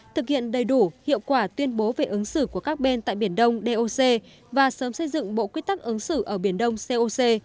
thực hiện đầy đủ hiệu quả tuyên bố về ứng xử của các bên tại biển đông doc và sớm xây dựng bộ quyết tắc ứng xử ở biển đông coc